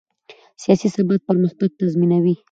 سیاسي ثبات پرمختګ تضمینوي